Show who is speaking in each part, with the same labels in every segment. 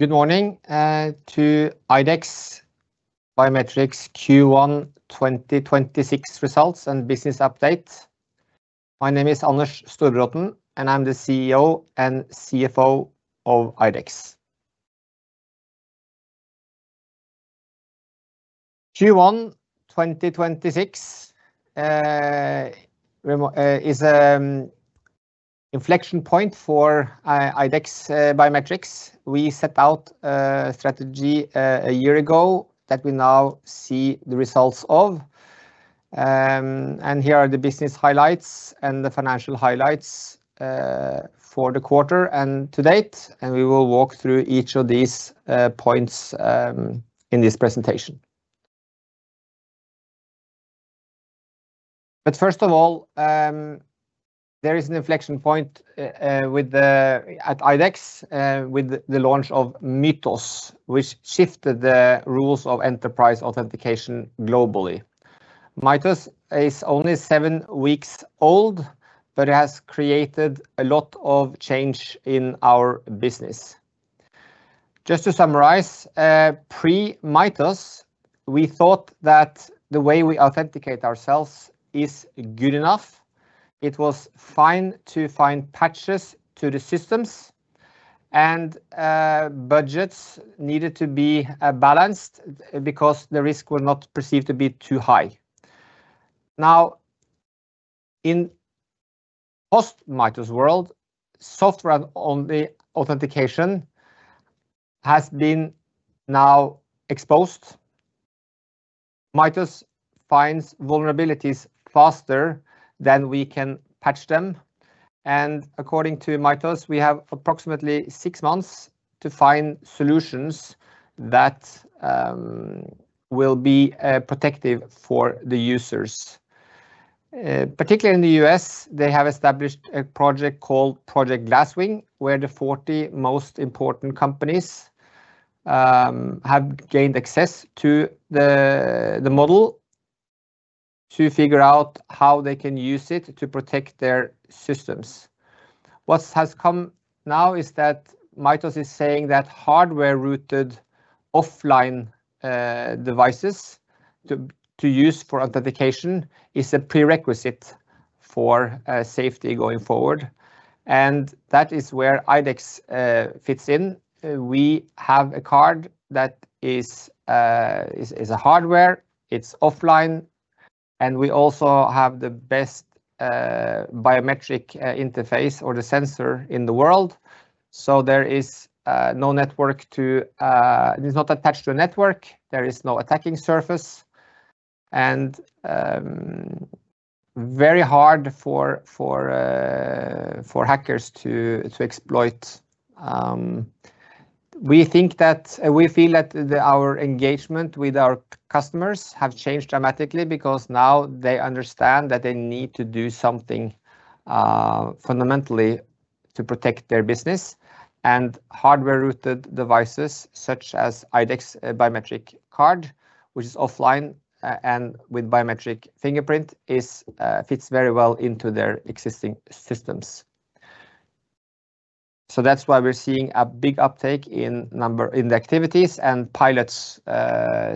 Speaker 1: Good morning to IDEX Biometrics Q1 2026 results and business update. My name is Anders Storbråten, and I'm the CEO and CFO of IDEX. Q1 2026 is an inflection point for IDEX Biometrics. We set out a strategy one year ago that we now see the results of. Here are the business highlights and the financial highlights for the quarter and to-date, and we will walk through each of these points in this presentation. First of all, there is an inflection point at IDEX with the launch of Mythos, which shifted the rules of enterprise authentication globally. Mythos is only seven weeks old, but it has created a lot of change in our business. Just to summarize, pre-Mythos, we thought that the way we authenticate ourselves is good enough. It was fine to find patches to the systems, and budgets needed to be balanced because the risk was not perceived to be too high. Now, in post-Mythos world, software-only authentication has been now exposed. Mythos finds vulnerabilities faster than we can patch them. According to Mythos, we have approximately six months to find solutions that will be protective for the users. Particularly in the U.S., they have established a project called Project Glasswing, where the 40 most important companies have gained access to the model to figure out how they can use it to protect their systems. What has come now is that Mythos is saying that hardware-rooted offline devices to use for authentication is a prerequisite for safety going forward. That is where IDEX fits in. We have a card that is a hardware, it's offline, and we also have the best biometric interface or the sensor in the world. It is not attached to a network. There is no attacking surface. Very hard for hackers to exploit. We feel that our engagement with our customers have changed dramatically because now they understand that they need to do something fundamentally to protect their business. Hardware-rooted devices, such as IDEX biometric card, which is offline, and with biometric fingerprint fits very well into their existing systems. That's why we're seeing a big uptake in the activities and pilots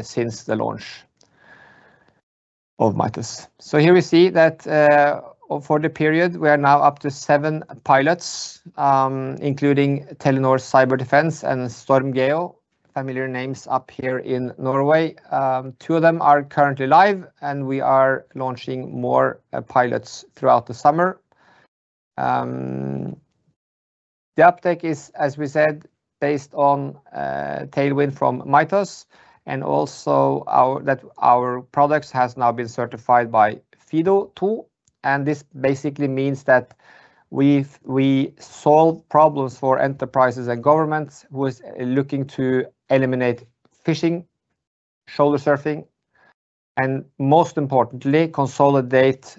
Speaker 1: since the launch of Mythos. Here we see that for the period, we are now up to seven pilots, including Telenor Cyberdefence and StormGeo, familiar names up here in Norway. Two of them are currently live, and we are launching more pilots throughout the summer. The uptake is, as we said, based on tailwind from MITRE, and also that our products has now been certified by FIDO2. This basically means that we solve problems for enterprises and governments who is looking to eliminate phishing, shoulder surfing, and most importantly, consolidate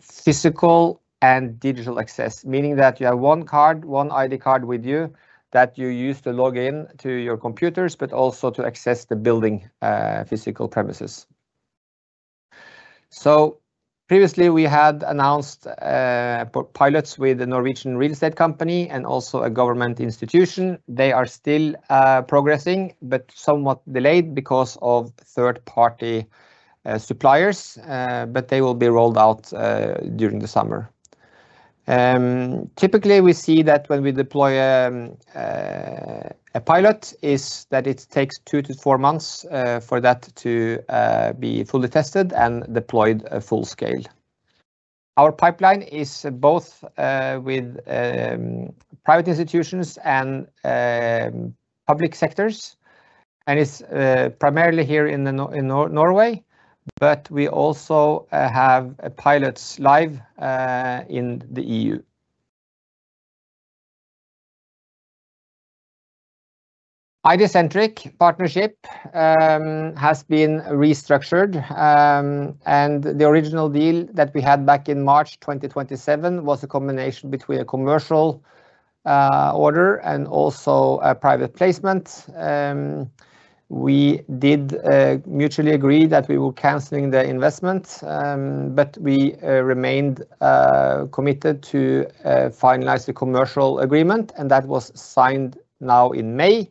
Speaker 1: physical and digital access. Meaning that you have one ID card with you that you use to log in to your computers, but also to access the building physical premises. Previously we had announced pilots with the Norwegian Real Estate Company and also a government institution. They are still progressing, but somewhat delayed because of third-party suppliers, but they will be rolled out during the summer. Typically, we see that when we deploy a pilot is that it takes two to four months for that to be fully tested and deployed full scale. Our pipeline is both with private institutions and public sectors, and it's primarily here in Norway, but we also have pilots live in the EU. ID Centric partnership has been restructured. The original deal that we had back in March 2027 was a combination between a commercial order and also a private placement. We did mutually agree that we were canceling the investment, but we remained committed to finalize the commercial agreement, and that was signed now in May.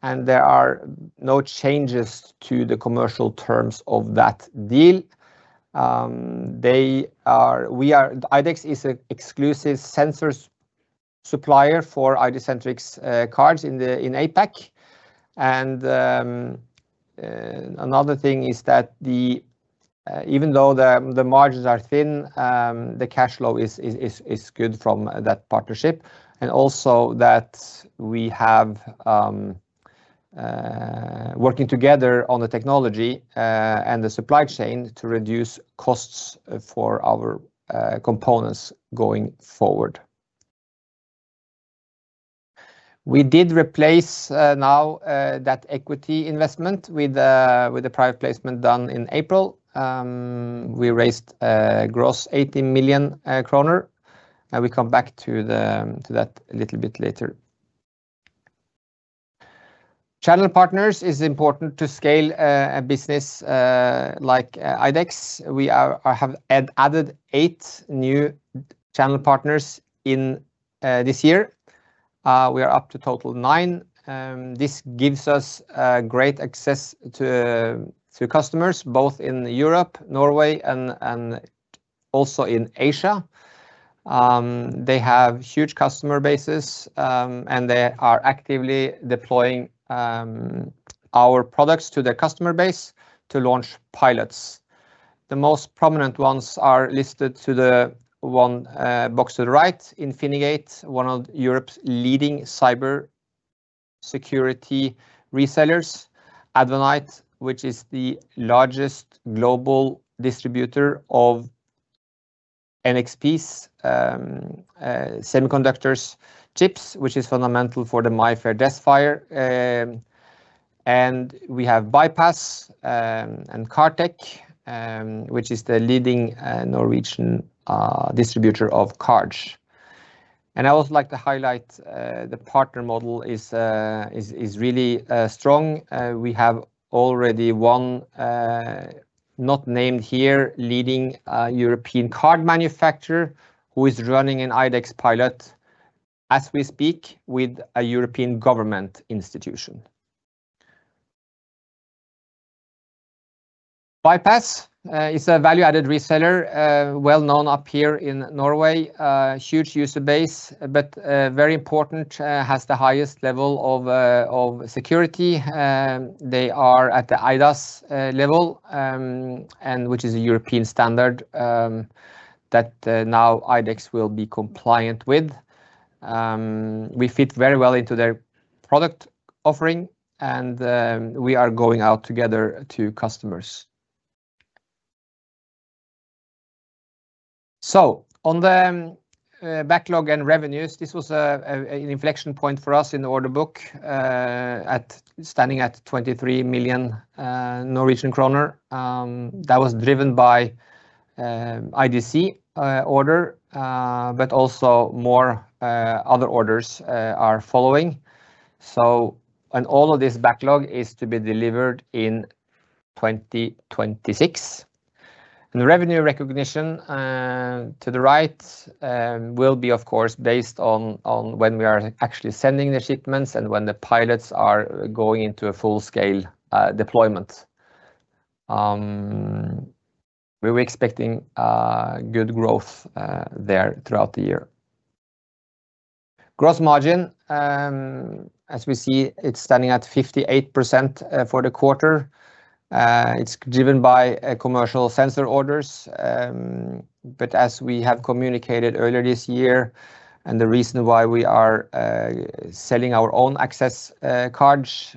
Speaker 1: There are no changes to the commercial terms of that deal. IDEX is an exclusive sensors supplier for ID Centrics cards in APAC. Another thing is that even though the margins are thin, the cash flow is good from that partnership, and also that we have working together on the technology, and the supply chain to reduce costs for our components going forward. We did replace now that equity investment with the private placement done in April. We raised gross 80 million kroner, we come back to that a little bit later. Channel partners is important to scale a business like IDEX. We have added eight new channel partners this year. We are up to total nine. This gives us great access to customers both in Europe, Norway, and also in Asia. They have huge customer bases, they are actively deploying our products to their customer base to launch pilots. The most prominent ones are listed to the one box to the right, Infinigate, one of Europe's leading cybersecurity resellers. Avnet, which is the largest global distributor of NXP Semiconductors' chips, which is fundamental for the MIFARE DESFire. We have Buypass and Cardtech, which is the leading Norwegian distributor of cards. I would like to highlight the partner model is really strong. We have already one, not named here, leading European card manufacturer who is running an IDEX pilot as we speak with a European government institution. Buypass is a value-added reseller, well known up here in Norway. Huge user base, very important, has the highest level of security. They are at the eIDAS level, which is a European standard that now IDEX will be compliant with. We fit very well into their product offering, we are going out together to customers. On the backlog and revenues, this was an inflection point for us in the order book, standing at 23 million Norwegian kroner. That was driven by IDC order, also more other orders are following. All of this backlog is to be delivered in 2026. The revenue recognition to the right will be, of course, based on when we are actually sending the shipments and when the pilots are going into a full-scale deployment. We were expecting good growth there throughout the year. Gross margin, as we see, it's standing at 58% for the quarter. It's driven by commercial sensor orders. As we have communicated earlier this year and the reason why we are selling our own access cards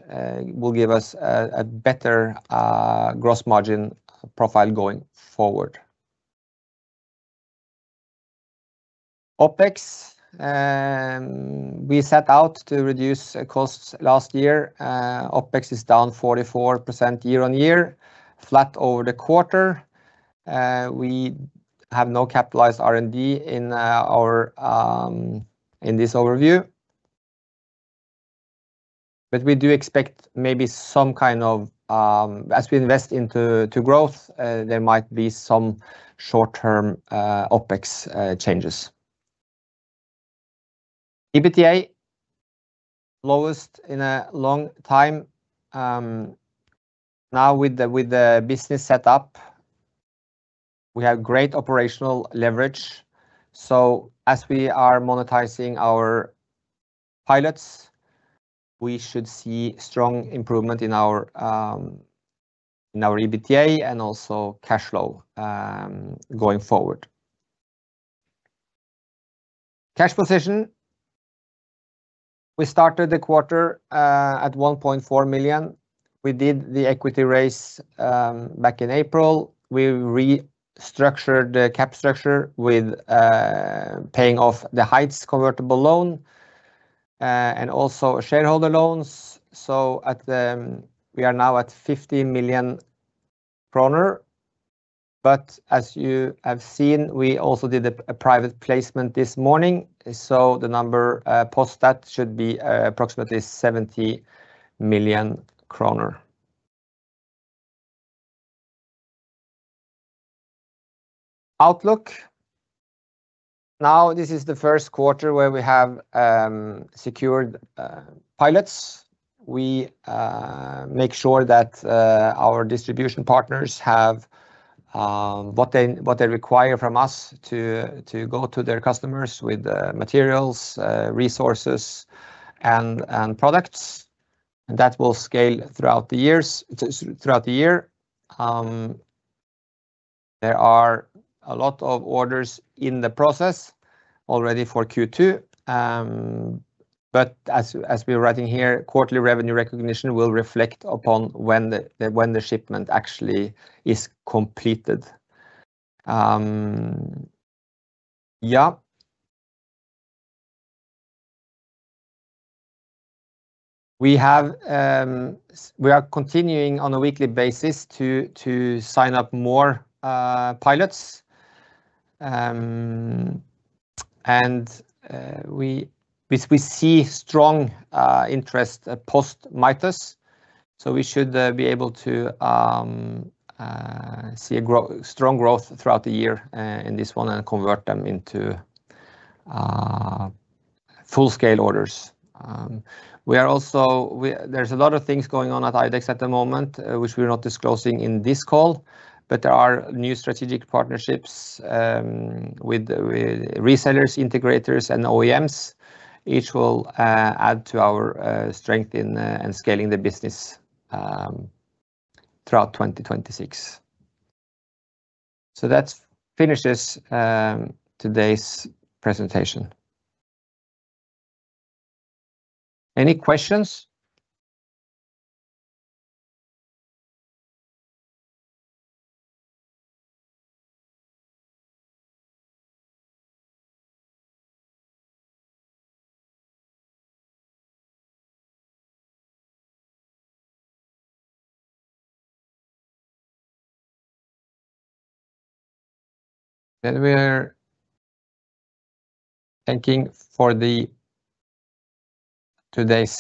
Speaker 1: will give us a better gross margin profile going forward. OpEx, we set out to reduce costs last year. OpEx is down 44% year-on-year, flat over the quarter. We have no capitalized R&D in this overview. We do expect maybe some kind of, as we invest into growth, there might be some short-term OpEx changes. EBITDA, lowest in a long time. With the business set up, we have great operational leverage. As we are monetizing our pilots, we should see strong improvement in our EBITDA and also cash flow going forward. Cash position. We started the quarter at 1.4 million. We did the equity raise back in April. We restructured the cap structure with paying off the Heights convertible loan, and also shareholder loans. We are now at 50 million kroner. As you have seen, we also did a private placement this morning, the number post that should be approximately 70 million kroner. Outlook. This is the first quarter where we have secured pilots. We make sure that our distribution partners have what they require from us to go to their customers with materials, resources, and products. That will scale throughout the year. There are a lot of orders in the process already for Q2. As we are writing here, quarterly revenue recognition will reflect upon when the shipment actually is completed. We are continuing on a weekly basis to sign up more pilots. We see strong interest post-Mythos. We should be able to see a strong growth throughout the year in this one and convert them into full-scale orders. There is a lot of things going on at IDEX at the moment, which we are not disclosing in this call, but there are new strategic partnerships with resellers, integrators, and OEMs. Each will add to our strength in scaling the business throughout 2026. That finishes today's presentation. Any questions?